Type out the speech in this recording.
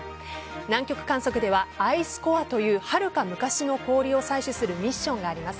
南極観測隊はアイスコアというはるか昔の氷を採取するミッションがあります。